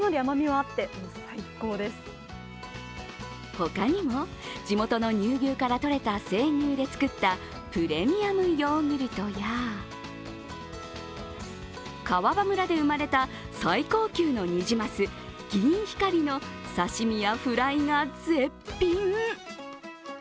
他にも地元の乳牛からとれた生乳でつくったプレミアムヨーグルトや川場村で生まれた最高級のニジマス・ギンヒカリの刺身やフライが絶品。